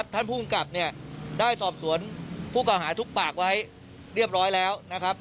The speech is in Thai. ท่านผู้กำกับได้สอบสวนผู้เก่าหาทุกปากไว้เรียบร้อยแล้ว